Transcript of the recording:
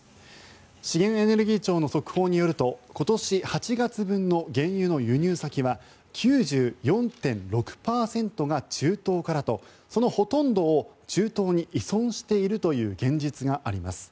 資源エネルギー庁の速報によると今年８月分の原油の輸入先は９４．６％が中東からとそのほとんどを中東に依存しているという現実があります。